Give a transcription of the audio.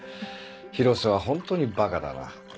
広瀬はホントにバカだな。